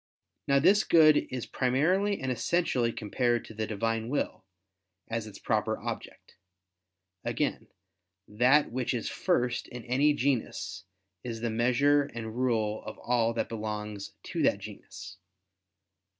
Now this Good is primarily and essentially compared to the Divine will, as its proper object. Again, that which is first in any genus is the measure and rule of all that belongs to that genus.